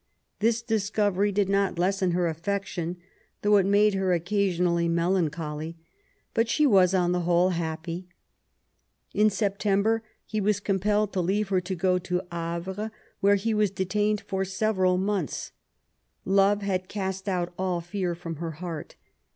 This discovery did not lessen her affection, though it made her occasionally melan choly. But she was, on the whole, happy. In September he was compelled to leave her to go to Havre, where he was detained for several months. Love had cast out all fear from her heart.